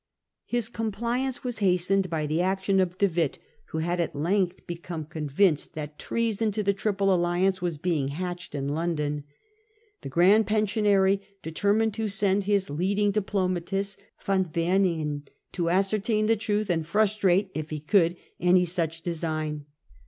His compliance was hastened by the action of De Witt, who had at length become convinced that treason to the Alarm of De Triple Alliance was being hatched in London wiu The Grand Pensionary determined to send his leading diplomatist, Van Beuninghen, to ascertain the truth, and frustrate, if he could, any such design.